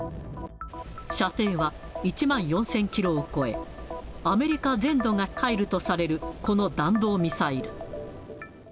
射程は１万４０００キロを超え、アメリカ全土が入るとされる、この弾道ミサイル。